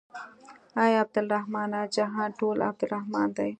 اې عبدالرحمنه جهان ټول عبدالرحمن دى.